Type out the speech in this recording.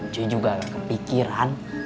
dia juga gak kepikiran